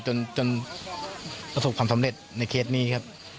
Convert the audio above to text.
จนประสบความสำเร็จในเคสนี้ครับ